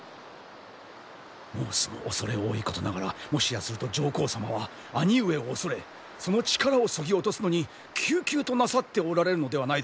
申すも恐れ多いことながらもしやすると上皇様は兄上を恐れその力をそぎ落とすのにきゅうきゅうとなさっておられるのではないでしょうか。